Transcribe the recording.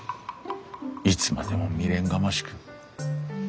いつまでも未練がましく。